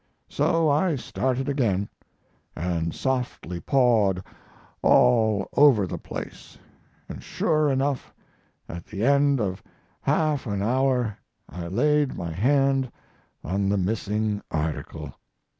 So I started again and softly pawed all over the place, and sure enough, at the end of half an hour I laid my hand on the missing article.